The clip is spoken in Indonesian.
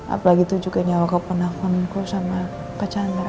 apalagi tujuan nyawa keponakanku sama kacang nara